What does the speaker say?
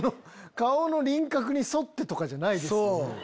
顔の輪郭に沿ってとかじゃないですもん。